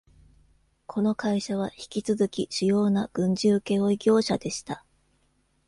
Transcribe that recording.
この会社は引き続き主要な軍事請負業者でした。